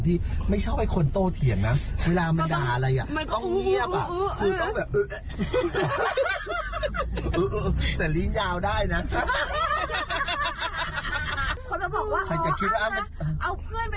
ปุ๊ดไม่ได้กลุ้นคุณควัตขุม